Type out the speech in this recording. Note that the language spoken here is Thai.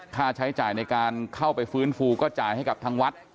ค่าใช้จ่ายในการเข้าไปฟื้นฟูก็จ่ายให้กับทางวัด